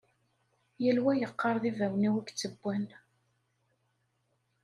Yal wa yeqqar d ibawen-iw i yettewwan.